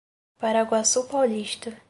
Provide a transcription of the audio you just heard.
Paraguaçu Paulista